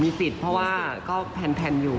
สิทธิ์เพราะว่าก็แพลนอยู่